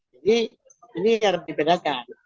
jadi ini harus dibedakan